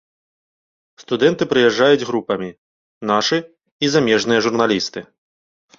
Студэнты прыязджаюць групамі, нашы і замежныя журналісты.